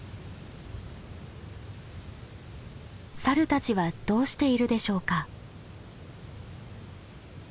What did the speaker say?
サルたちはどうしているでしょうか？